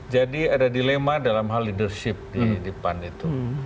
jadi ada dilema dalam hal leadership di pan itu